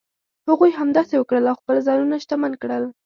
هغوی همداسې وکړل او خپل ځانونه شتمن کړل.